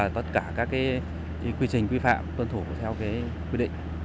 tất cả các quy trình quy phạm tuân thủ theo quy định